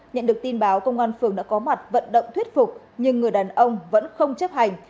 nhận được tin báo công an phường đã có mặt vận động thuyết phục nhưng người đàn ông vẫn không chấp hành